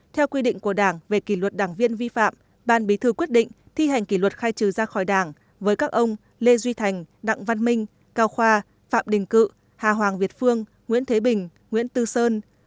theo quy định của đảng về kỷ luật đảng viên vi phạm ban bí thư quyết định thi hành kỷ luật khai trừ ra khỏi đảng với các ông lê duy thành đặng văn minh cao khoa phạm đình cự hà hoàng việt phương nguyễn thế bình nguyễn tư sơn